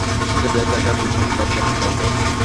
kati ya dakika tatu mpaka dakika saba